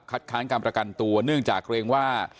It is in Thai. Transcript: ค้านการประกันตัวเนื่องจากเกรงว่า